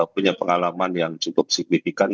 punya pengalaman yang cukup signifikan